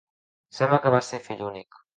Sembla que va ser fill únic.